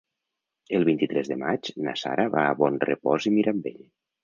El vint-i-tres de maig na Sara va a Bonrepòs i Mirambell.